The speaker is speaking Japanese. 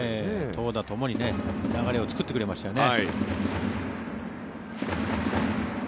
投打ともに流れを作ってくれましたよね。